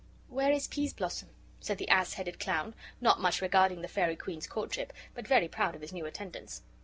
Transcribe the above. "Where is Peas blossom?" said the ass headed clown, not much regarding the fairy queen's courtship, but very proud of his new attendants.